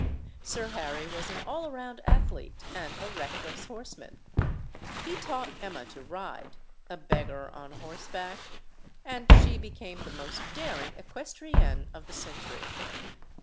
Sir Harry was an all round athlete and a reckless horseman. He taught Emma to ride "a beggar on horseback?" and she became the most daring equestrienne of the century.